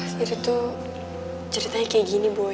tiri tuh ceritanya kayak gini boy